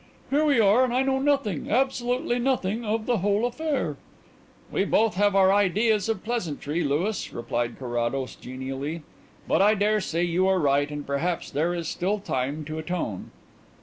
"Here we are and I know nothing, absolutely nothing, of the whole affair." "We both have our ideas of pleasantry, Louis," replied Carrados genially. "But I dare say you are right and perhaps there is still time to atone."